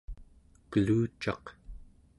kelucaq